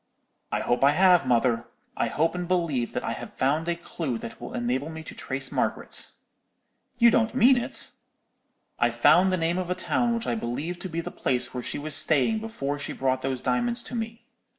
"'I hope I have, mother. I hope and believe that I have found a clue that will enable me to trace Margaret.' "'You don't mean it?' "'I've found the name of a town which I believe to be the place where she was staying before she brought those diamonds to me.